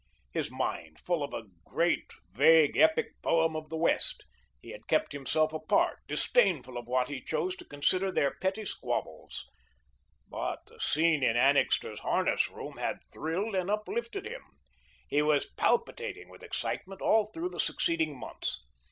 His mind full of a great, vague epic poem of the West, he had kept himself apart, disdainful of what he chose to consider their petty squabbles. But the scene in Annixter's harness room had thrilled and uplifted him. He was palpitating with excitement all through the succeeding months.